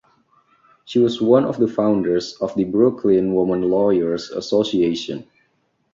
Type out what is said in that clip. She was one of the founders of the Brooklyn Women Lawyers Association.